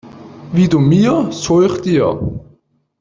Wie du mir, so ich dir.